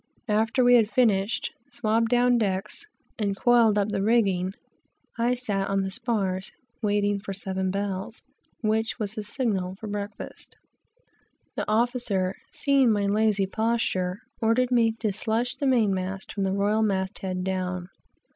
After we had finished, swabbed down, and coiled up the rigging, I sat down on the spars, waiting for seven bells, which was the sign for breakfast. The officer, seeing my lazy posture, ordered me to slush the main mast, from the royal mast head, down.